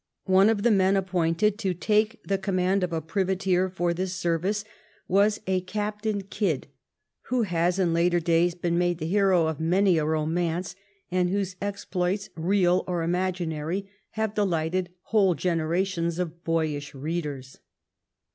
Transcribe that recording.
One of the men appointed to take the command of a privateer for this service was a Captain 826 THE REIGN OP QUEEN ANNE Kidd, who has in later days been made the hero of many a romance, and whose exploits, real or imagi< nary, have delighted whole generations of boyish read ers.